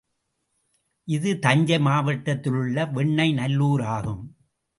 இது, தஞ்சை மாவட்டத்திலுள்ள வெண்ணெய் நல்லூராகும்.